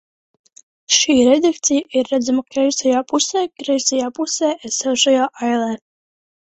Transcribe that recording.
Šī redakcija ir redzama kreisajā pusē, kreisajā pusē esošajā ailē.